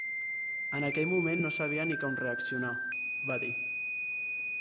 “En aquell moment no sabia ni com reaccionar”, va dir.